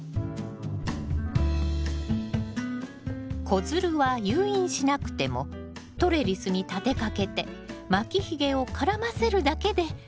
子づるは誘引しなくてもトレリスに立てかけて巻きひげを絡ませるだけでＯＫよ。